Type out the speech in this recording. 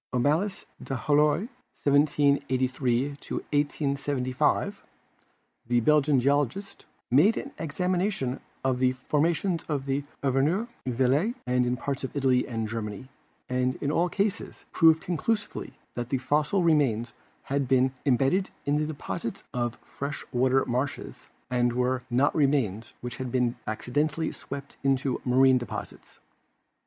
Omalius d'Halloy (1783 1875), the Belgian geologist, made an examination of the formations in Auvergne, Velay and in parts of Italy and Germany, and in all cases proved conclusively that the fossil remains had been im bedded in the deposits of fresh water marshes and were not remains which had been accidentally swept into ma rine deposits.